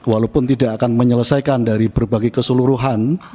walaupun tidak akan menyelesaikan dari berbagai keseluruhan